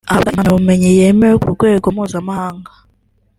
ahabwa impamyabumenyi yemewe ku rwego mpuzamahanga